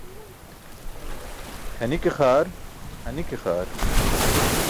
Kʰani ke xaar, hani ke xaar.